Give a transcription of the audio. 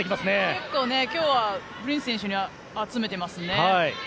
結構、今日はプリンス選手に集めていますね。